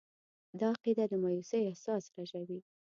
دا عقیده د مایوسي احساس رژوي.